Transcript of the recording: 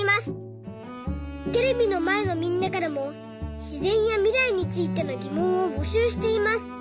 テレビのまえのみんなからもしぜんやみらいについてのぎもんをぼしゅうしています。